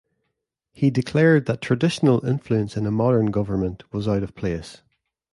He declared that traditional influence in a modern government was out of place.